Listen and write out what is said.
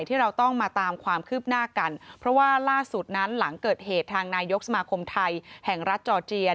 ที่เราต้องมาตามความคืบหน้ากันเพราะว่าล่าสุดนั้นหลังเกิดเหตุทางนายกสมาคมไทยแห่งรัฐจอร์เจีย